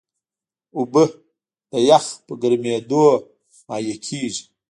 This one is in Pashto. اوبه د یخ په ګرمیېدو مایع کېږي.